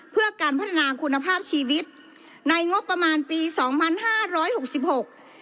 เพื่อการพัฒนาคุณภาพชีวิตในงบประมาณปีสองพันห้าร้อยหกสิบหก